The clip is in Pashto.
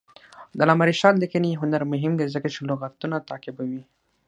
د علامه رشاد لیکنی هنر مهم دی ځکه چې لغتونه تعقیبوي.